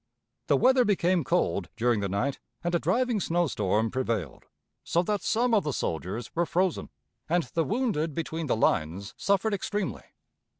The weather became cold during the night, and a driving snow storm prevailed, so that some of the soldiers were frozen, and the wounded between the lines suffered extremely.